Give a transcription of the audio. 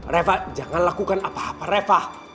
reva jangan lakukan apa apa reva